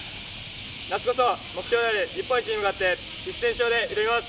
夏こそ目標である日本一に向かって一戦必勝で挑みます。